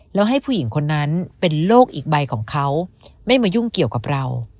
แล้วให้ผู้หญิงคนนั้นเป็นโรคอีกใบของเขาไม่มายุ่งเกี่ยวกับเรา